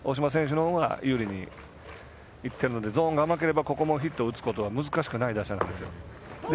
有利にいってるのでゾーンが甘ければここもヒット、打つこと難しくない打者です。